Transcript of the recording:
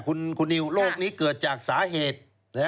คุณนิวโรคนี้เกิดจากสาเหตุ